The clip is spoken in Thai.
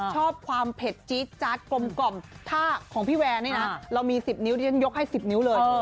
ชอบความเผ็ดจี๊ดจาดกลมท่าของพี่แวร์นี่นะเรามี๑๐นิ้วที่ฉันยกให้๑๐นิ้วเลย